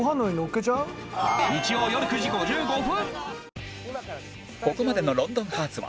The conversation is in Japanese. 日曜よる９時５５分